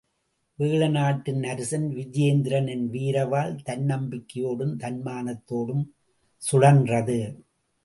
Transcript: வேழநாட்டின் அரசன் விஜயேந்திரனின் வீரவாள், தன்னம்பிக்கையோடும் தன்மானத்தோடும் சுழன்றது.